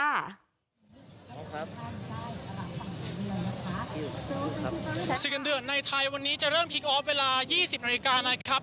๔เดือนในไทยวันนี้จะเริ่มคลิกออฟเวลา๒๐นาฬิกานะครับ